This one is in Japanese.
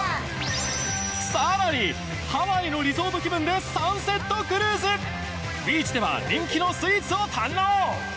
さらにハワイのリゾート気分でサンセットクルーズビーチでは人気のスイーツを堪能！